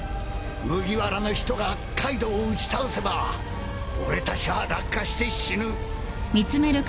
麦わらの人がカイドウを打ち倒せば俺たちは落下して死ぬ。